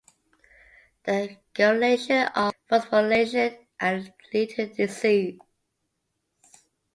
The deregulation of phosphorylation can lead to disease.